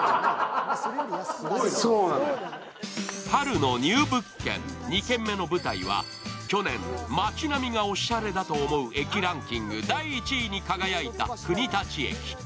春のニュー物件、２軒目の舞台は去年街並みがおしゃれだと思う駅ランキング第１位に輝いた国立駅。